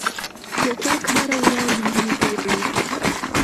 توپک هره ورځ وینه تویوي.